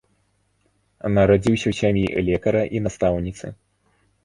Нарадзіўся ў сям'і лекара і настаўніцы.